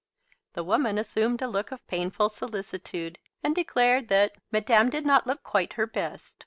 The woman assumed a look of painful solicitude, and declared that "Madame did not look quite her best."